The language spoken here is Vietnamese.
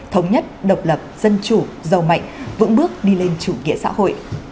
thống nhất độc lập dân chủ giàu mạnh vững bước đi lên chủ nghĩa xã hội